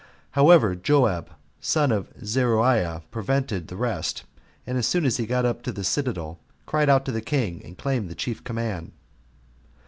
However, Joab, the son of Zeruiah, prevented the rest; and as soon as he was got up to the citadel, cried out to the king, and claimed the chief command.